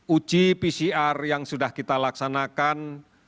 uji pcr yang sudah kita laksanakan